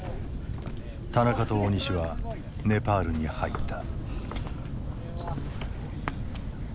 田中と大西はネパールに入った。